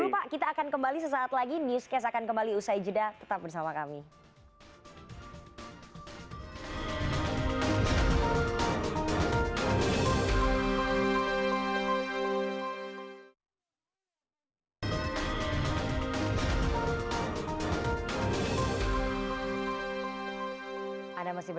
pertama itu harus dikirim